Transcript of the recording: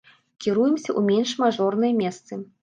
Кіруемся ў менш мажорныя месцы.